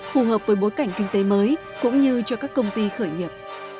phù hợp với bối cảnh kinh tế mới cũng như cho các công ty khởi nghiệp